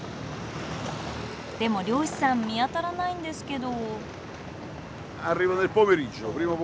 でも漁師さん見当たらないんですけど。